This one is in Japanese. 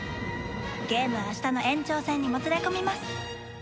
ゲームは明日の延長戦にもつれ込みます。